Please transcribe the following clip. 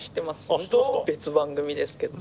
別番組ですけど。